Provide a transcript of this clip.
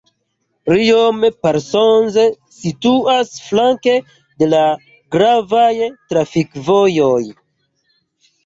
Riom-Parsonz situas flanke de la gravaj trafikvojoj.